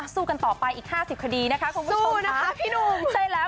สู้กันต่อไปอีก๕๐คดีนะคะคุณผู้ชมนะคะพี่หนุ่มใช่แล้ว